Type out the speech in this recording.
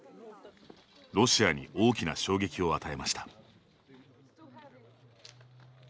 ロシアに大きな衝撃を与えました。